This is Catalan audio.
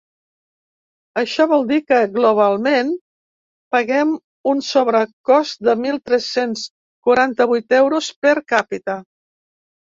Això vol dir que, globalment, paguem un sobrecost de mil tres-cents quaranta-vuit euros per capita.